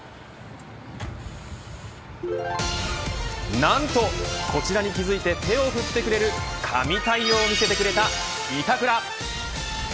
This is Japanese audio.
何と、こちらに気づいて手を振ってくれる神対応を見せてくれた板倉。